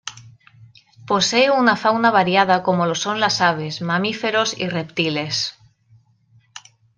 Posee una fauna variada como lo son las aves, mamíferos y reptiles.